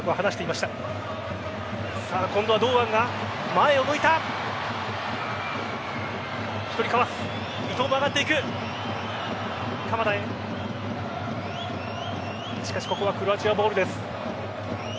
しかしここはクロアチアボールです。